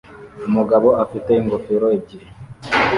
Umugabo afite ingofero ebyiri